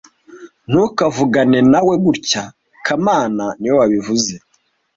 Ntukavugane nawe gutya kamana niwe wabivuze